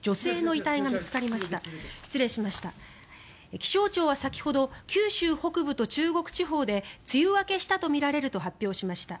気象庁は先ほど九州北部と中国地方で梅雨明けしたとみられると発表しました。